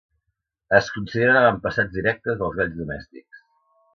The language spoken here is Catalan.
Es consideren avantpassats directes dels galls domèstics.